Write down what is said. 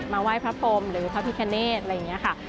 ไหว้พระพรมหรือพระพิคเนตอะไรอย่างนี้ค่ะ